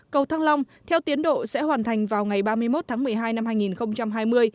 cầu thăng long theo tiến độ sẽ hoàn thành vào ngày ba mươi một tháng một mươi hai năm hai nghìn hai mươi